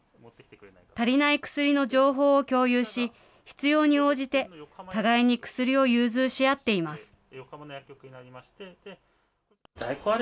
足りない薬の情報を共有し、必要に応じて、互いに薬を融通し合っています。